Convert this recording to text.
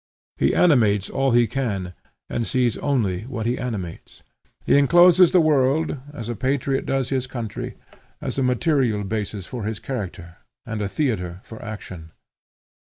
He animates all he can, and he sees only what he animates. He encloses the world, as the patriot does his country, as a material basis for his character, and a theatre for action.